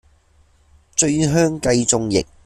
醉香雞中翼